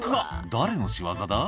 誰の仕業だ？」